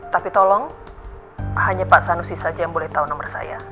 tapi tolong hanya pak sanusi saja yang boleh tahu nomor saya